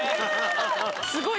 すごい。